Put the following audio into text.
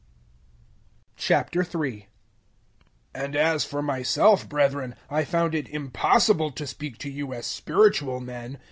003:001 And as for myself, brethren, I found it impossible to speak to you as spiritual men.